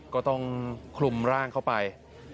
ก็ต้องคลุมร่างเข้าไป